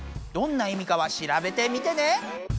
どんな意味かは調べてみてね。